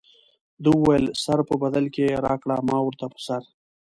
ده وویل سر په بدل کې راکړه ما ورته په سر.